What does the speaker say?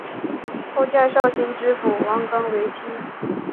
后嫁绍兴知府汪纲为妻。